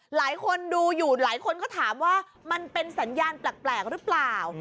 หลายคนดูอยู่หลายคนก็ถามว่ามันเป็นสัญญาณแปลกหรือเปล่า